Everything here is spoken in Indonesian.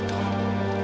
kita dapat tahu